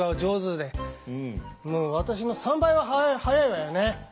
もう私の３倍は速いわよね？